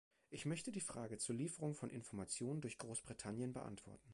Ich möchte die Frage zur Lieferung von Informationen durch Großbritannien beantworten.